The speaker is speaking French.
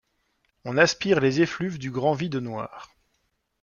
On aspire les effluves du grand vide noir.